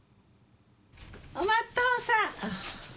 お待っとうさん。